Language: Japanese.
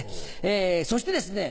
そしてですね